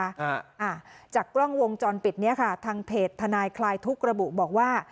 อ่าจากกล้องวงจรปิดเนี้ยค่ะทางเพจทนายคลายทุกข์ระบุบอกว่า